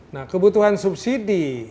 nah kebutuhan subsidi